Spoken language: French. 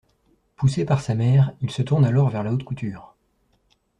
Poussé par sa mère, il se tourne alors vers la haute couture.